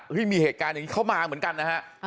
มีเหตุการณ์อย่างนี้เข้ามาเหมือนกันนะฮะ